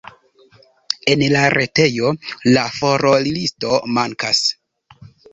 En la retejo la furorlisto mankas.